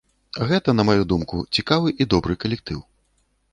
Гэта, на маю думку, цікавы і добры калектыў.